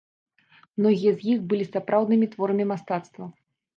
Многія з іх былі сапраўднымі творамі мастацтва.